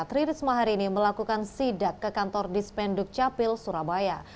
tri risma hari ini melakukan sidak ke kantor dispenduk capil surabaya